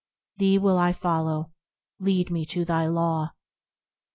Thee will I follow; lead me to thy Law.